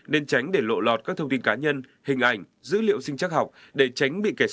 nên tránh để lộ lọt các thông tin cá nhân hình ảnh dữ liệu sinh chắc học để tránh bị kẻ xấu lợi dụng khai thác